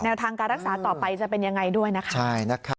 ทางการรักษาต่อไปจะเป็นยังไงด้วยนะคะ